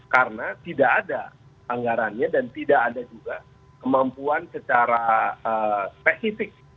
karena tidak ada anggarannya dan tidak ada juga kemampuan secara spesifik